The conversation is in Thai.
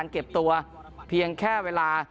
เก็บตัวเพียงแค่เวลา